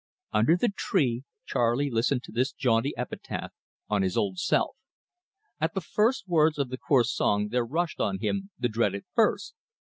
Under the tree, Charley Steele listened to this jaunty epitaph on his old self. At the first words of the coarse song there rushed on him the dreaded thirst.